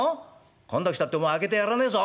今度来たってもう開けてやらねえぞ。